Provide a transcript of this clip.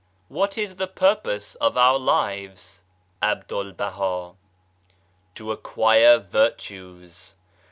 " What is the purpose of our lives ?" Abdul Baha. " To acquire virtues.